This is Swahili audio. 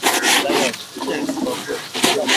Kuvimba kwa tezi